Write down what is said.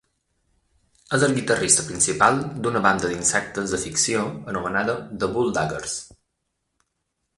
És el guitarrista principal d'una banda d'insectes de ficció anomenada The Bulldaggers.